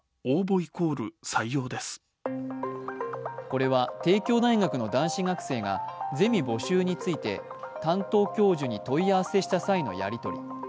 これは帝京大学の男子学生がゼミ募集について担当教授に問い合わせした際のやり取り。